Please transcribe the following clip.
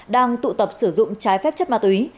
đang tụ tập sử dụng trái phép chất ma túy